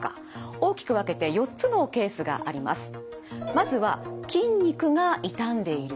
大きく分けて４つのケースがあります。